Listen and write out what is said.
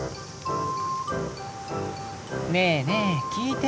ねえねえ聞いて。